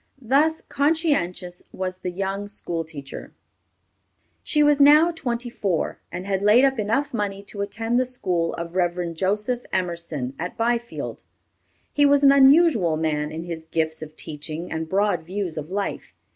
Thus conscientious was the young school teacher. She was now twenty four, and had laid up enough money to attend the school of Rev. Joseph Emerson, at Byfield. He was an unusual man in his gifts of teaching and broad views of life.